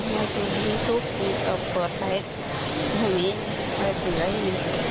มีซุปเปิดให้ไม่มีให้เสีย